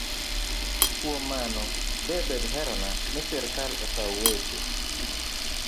Kuom mano, de bed herona ni sirkal okaw weche